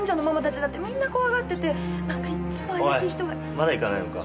まだ行かないのか？